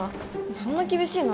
そんな厳しいの？